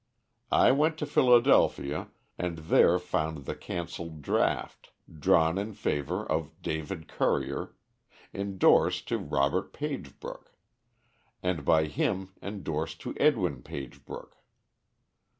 I went to Philadelphia, and there found the canceled draft, drawn in favor of David Currier; indorsed to Robert Pagebrook; and by him indorsed to Edwin Pagebrook.